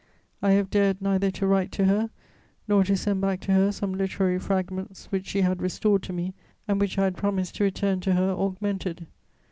I have dared neither to write to her nor to send back to her some literary fragments which she had restored to me and which I had promised to return to her augmented.